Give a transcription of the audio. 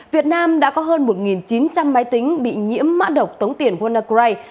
việt nam đã có hơn một chín trăm linh máy tính bị nhiễm mã độc tống tiền gonacray